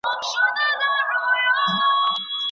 دا څېړنه د خوړو عادتونه وڅېړل.